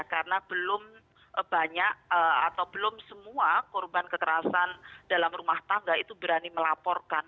karena belum banyak atau belum semua korban kekerasan dalam rumah tangga itu berani melaporkan